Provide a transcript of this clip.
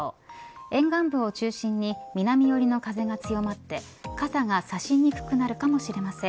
沿岸部を中心に南寄りの風が強まって傘が差しにくくなるかもしれません。